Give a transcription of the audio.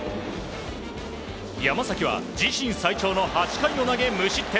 山崎は自身最長の７回を投げ無失点。